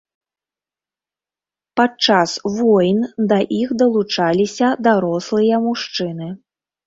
Падчас войн да іх далучаліся дарослыя мужчыны.